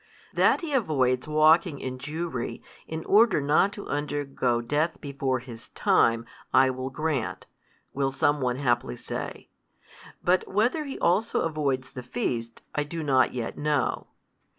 That He avoids walking in Jewry, in order not to undergo death before His time, I will grant (will some one haply say) but whether He also avoids the feast, I do not yet know.